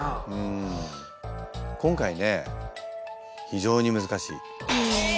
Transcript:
今回ね非常に難しい。え！